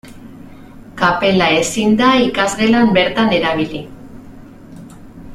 Kapela ezin da ikasgelan bertan erabili.